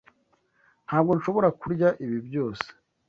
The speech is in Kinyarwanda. Ntabwo nshobora kurya ibi byose.